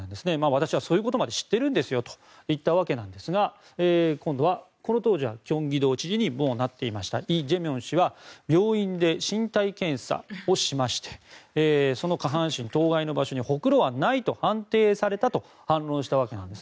私はそういうことまで知っているんですよと言ったわけですが今度はこの当時はキョンギ道知事になっていたイ・ジェミョン氏は病院で身体検査をしましてその下半身、当該の場所にほくろはないと判定されたと反論したわけです。